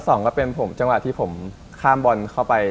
สองก็เป็นผมจังหวะที่ผมข้ามบอลเข้าไป